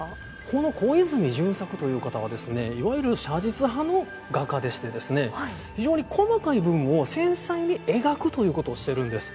この小泉淳作という方はいわゆる写実派の画家でして非常に細かい部分を繊細に描くということをしているんです。